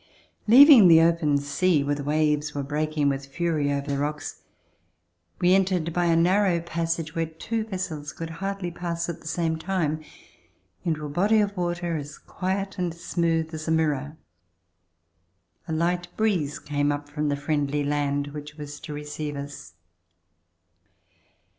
Leaving the open sea, where the waves were breaking with fury over the rocks, we entered by a narrow passage, where two vessels could hardly pass at the same time, Into a body of water as quiet and smooth as a mirror. A light breeze came up from the friendly land which was to receive us.